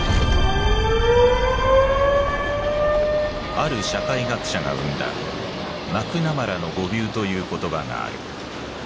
ある社会学者が生んだ「マクナマラの誤謬」という言葉がある。